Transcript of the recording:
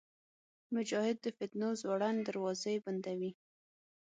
مجاهد د فتنو زوړند دروازې بندوي.